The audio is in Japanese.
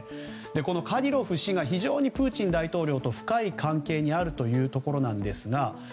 このカディロフ氏が非常にプーチン大統領と深い関係にあるということなんですが。